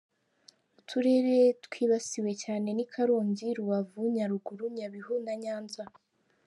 Uturere twibasiwe cyane ni Karongi, Rubavu, Nyaruguru, Nyabihu na Nyanza.